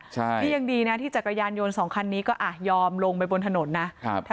ใช่นี่ยังดีนะที่จักรยานยนต์สองคันนี้ก็อ่ะยอมลงไปบนถนนนะครับ